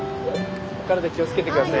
お体気をつけてください。